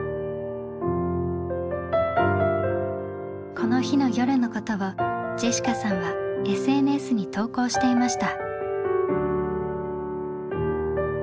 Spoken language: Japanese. この日の夜のことをジェシカさんはＳＮＳに投稿していました。